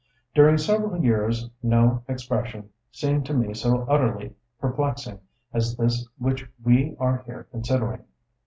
—During several years no expression seemed to me so utterly perplexing as this which we are here considering.